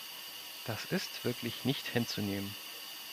Das ist wirklich nicht hinzunehmen.